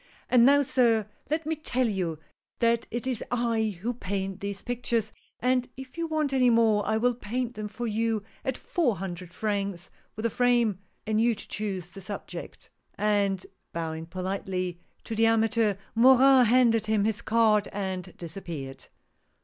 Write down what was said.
" And now, sir, let me tell you that it is I who paint these pictures, and if you want any more I will paint them for you at four hundred francs with the frame, and you to choose the subject;" and bowing, politely, to the amateur, Morin handed him his card, and disappeared.